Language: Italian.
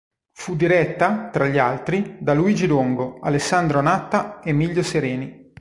Fu diretta, tra gli altri, da Luigi Longo, Alessandro Natta, Emilio Sereni.